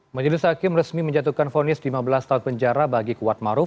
majelis hakim resmi menjatuhkan fonis lima belas tahun penjara bagi kuatmaruf